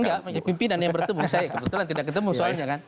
enggak pimpinan yang bertemu saya kebetulan tidak ketemu soalnya kan